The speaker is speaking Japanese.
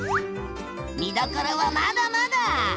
見どころはまだまだ！